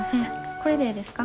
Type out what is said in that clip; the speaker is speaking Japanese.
これでええですか？